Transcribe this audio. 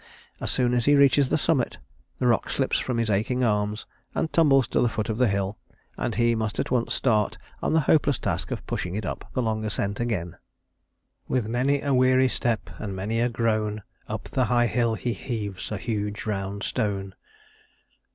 As soon as he reaches the summit, the rock slips from his aching arms and tumbles to the foot of the hill, and he must at once start on the hopeless task of pushing it up the long ascent again. "With many a weary step, and many a groan, Up the high hill he heaves a huge round stone."